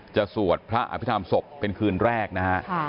สวดพระอภิษฐรรมศพเป็นคืนแรกนะฮะ